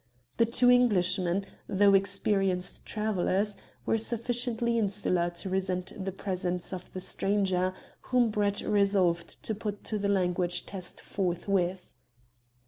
The two Englishmen, though experienced travellers, were sufficiently insular to resent the presence of the stranger, whom Brett resolved to put to the language test forthwith.